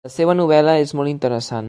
La seua novel·la és molt interessant.